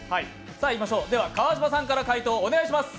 では、川島さんから回答お願いします。